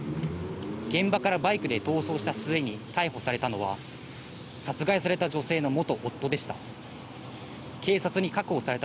現場からバイクで逃走した末に逮捕されたのは、殺害された女性の元夫でした。